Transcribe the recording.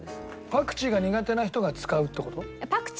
パクチーが苦手な人が使うって事？